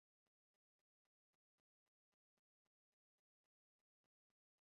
Wanatokea misitu na maeneo mengine yenye miti katika Afrika na Asia.